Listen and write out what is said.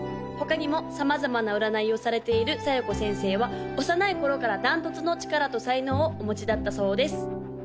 他にも様々な占いをされている小夜子先生は幼い頃から断トツの力と才能をお持ちだったそうです